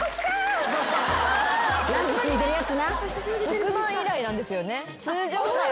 特番以来なんですよね？